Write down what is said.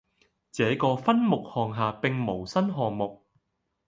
這個分目項下並無新項目